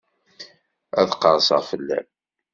Ad qerseɣ fell-am.